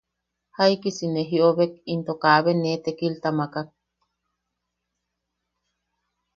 Jaikisi ne jiʼobek into kaabe ne tekilta makak.